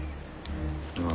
ああ。